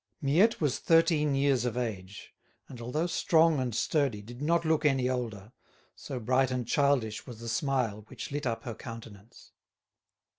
Miette was thirteen years of age, and although strong and sturdy did not look any older, so bright and childish was the smile which lit up her countenance.